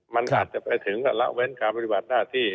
มันอาจจะไปถึงละเว้นการปฏิบัติหน้าที่